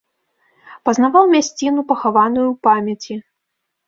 Пазнаваў мясціну, пахаваную ў памяці.